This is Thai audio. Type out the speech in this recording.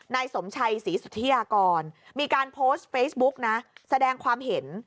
นายสมชัยศรีสุธิยากรมีการโพสต์เฟซบุ๊กนะแสดงความเห็น